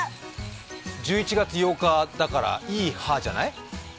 １１月８日だから、い・い・はじゃない？